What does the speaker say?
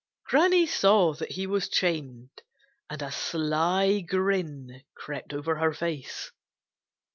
Granny saw that he was chained and a sly grin crept over her face.